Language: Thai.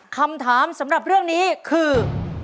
คำถามสำหรับเรื่องนี้คือ